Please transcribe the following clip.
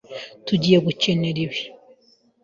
Tugiye gukenera ibi.